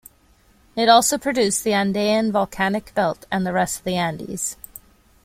It also produced the Andean Volcanic Belt and the rest of the Andes.